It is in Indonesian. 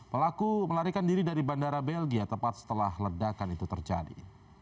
pelaku melarikan diri dari bandara belgia tepat setelah ledakan itu terjadi